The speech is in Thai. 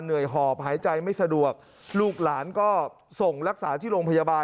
หอบหายใจไม่สะดวกลูกหลานก็ส่งรักษาที่โรงพยาบาล